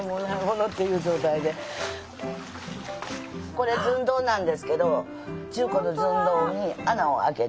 これずんどうなんですけど中古のずんどうに穴を開けて。